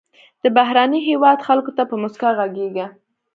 د بهرني هېواد خلکو ته په موسکا غږیږه.